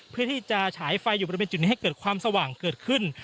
เพื่อที่จะฉายไฟอยู่บริเวณจุดนี้ให้เกิดความสว่างเกิดขึ้น